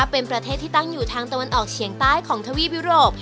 เป็นประเทศที่ตั้งอยู่ทางตะวันออกเฉียงใต้ของทวีปยุโรป